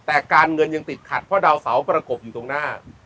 แต่การเงินยังติดขัดเพราะดาวเสาประกบอยู่ตรงหน้า